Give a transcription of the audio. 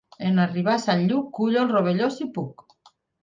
En arribar Sant Lluc, cullo el rovelló si puc.